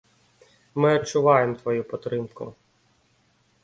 Мы адчуваем тваю падтрымку!